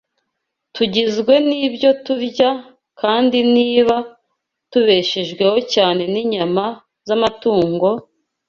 Tugizwe n’ibyo turya, kandi niba tubeshejweho cyane n’inyama z’amatungo,